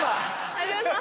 有吉さん